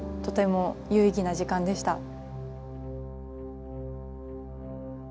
とても有意義な時間でした。